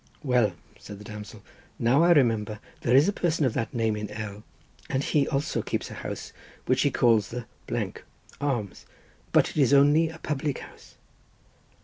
"Well," said the damsel, "now I remember there is a person of that name in L—, and he also keeps a house which he calls the — Arms, but it is only a public house."